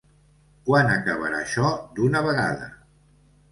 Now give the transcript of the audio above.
Quan acabarà això d’una vegada?.